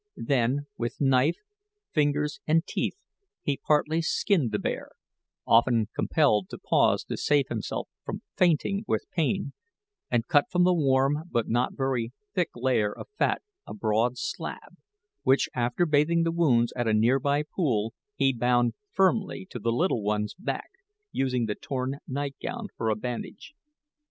Then, with knife, fingers, and teeth, he partly skinned the bear often compelled to pause to save himself from fainting with pain and cut from the warm but not very thick layer of fat a broad slab, which, after bathing the wounds at a near by pool, he bound firmly to the little one's back, using the torn night gown for a bandage.